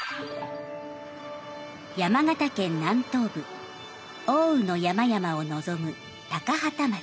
山形県南東部奥羽の山々を望む高畠町。